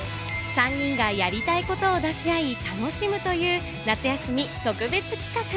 ３人がやりたいことを出し合い、楽しむという夏休み特別企画。